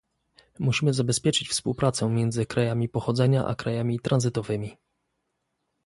Musimy zabezpieczyć współpracę między krajami pochodzenia a krajami tranzytowymi